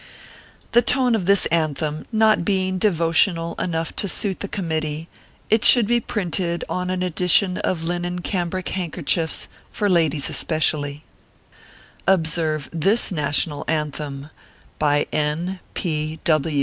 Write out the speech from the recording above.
The tone of this "anthem" not being devotional enough to suit the committee, it should be printed on an edition of linen cambric handkerchiefs, for ladies especially. Observe this NATIONAL ANTHEM BY N.